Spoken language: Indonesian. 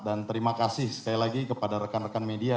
dan terima kasih sekali lagi kepada rekan rekan media